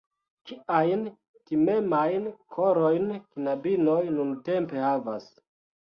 Kiajn timemajn korojn knabinoj nuntempe havas!